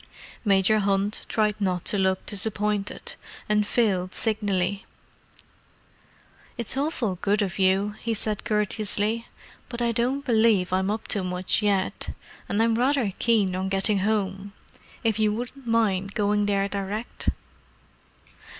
Major Hunt tried not to look disappointed, and failed signally. "It's awfully good of you," he said courteously. "But I don't believe I'm up to much yet—and I'm rather keen on getting home. If you wouldn't mind going there direct."